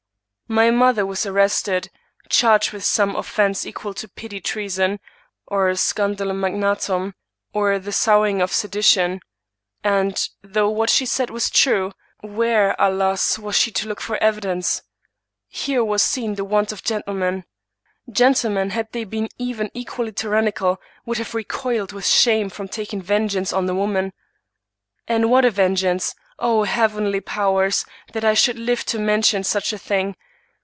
My mother was arrested, charged with some offense equal to petty treason, or scandalum magnatuniy or the sowing of sedition; and, though what she said was true, where, alas ! was she to look for evidence ? Here was seen the want of gentlemen. Gen tlemen, had they been even equally tyrannical, would have recoiled with shame from taking vengeance on a woman. And what a vengeance ! O heavenly powers ! that I should live to mention such a thing